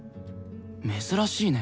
珍しいね。